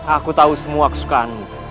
aku tahu semua kesukaanmu